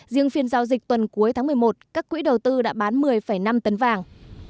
riêng phiên giao dịch tuần cuối tháng một mươi một các quỹ đầu tư đã bán một mươi năm tấn vàng